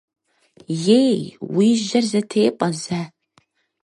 Ей, уи жьэр зэтепӏэ зэ!